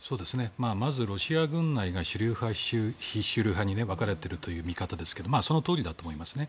まずロシア軍内が主流派・非主流派に分かれているという見立てですがそのとおりだと思いますね。